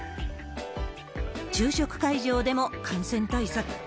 昼食会場でも感染対策。